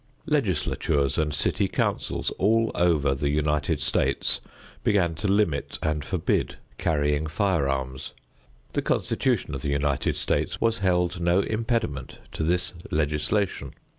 Legislatures and city councils all over the United States began to limit and forbid carrying firearms. The Constitution of the United States was held no impediment to this legislation.